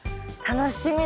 楽しみ。